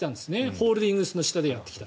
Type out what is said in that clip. ホールディングスの下でやってきた。